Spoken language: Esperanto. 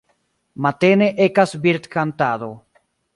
Matene ekas birdkantado.